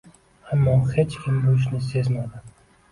Ammo hech kim bu ishni sezmadi